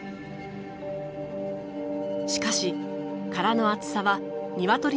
しかし殻の厚さはニワトリの卵の３倍ほど。